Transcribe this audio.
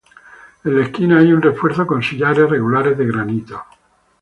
En la esquina hay un refuerzo con sillares regulares de granito.